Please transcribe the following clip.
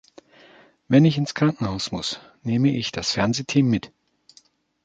Wenn ich ins Krankenhaus muss, nehme ich das Fernsehteam mit.